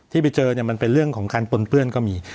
ที่ไปเจอเนี่ยมันเป็นเรื่องของการปนเปื้อนก็มี